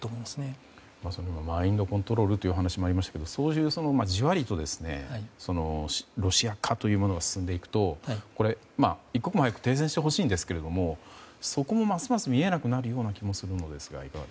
マインドコントロールという話もありましたがそういうじわりとロシア化というものが進んでいくと一刻も早く停戦してほしいですがそこがますます見えなくなるような気がしますが。